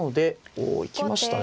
お行きましたね。